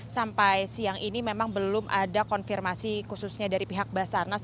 sampai siang ini memang belum ada konfirmasi khususnya dari pihak basarnas